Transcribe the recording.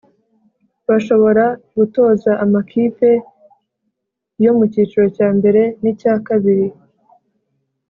bashobora gutoza amakipe yo mu cyiciro cya mbere n’icya kabiri